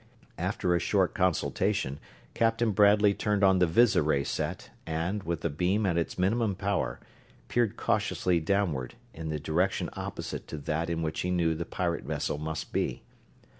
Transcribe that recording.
After a short consultation Captain Bradley turned on the visiray set and, with the beam at its minimum power, peered cautiously downward, in the direction opposite to that in which he knew the pirate vessel must be.